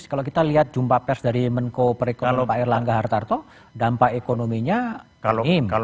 kalau kita lihat jumpa pers dari menko perekonomian pak erlangga hartarto dampak ekonominya